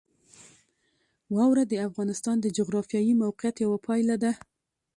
واوره د افغانستان د جغرافیایي موقیعت یوه پایله ده.